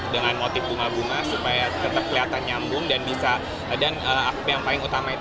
dengan motif bunga bunga supaya tetap kelihatan nyambung dan bisa dan aku yang paling utama itu